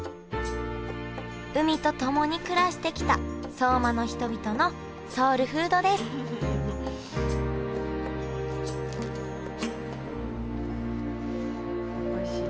海と共に暮らしてきた相馬の人々のソウルフードですおいしい。